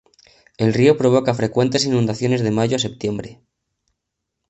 El río provoca frecuentes inundaciones de mayo a septiembre.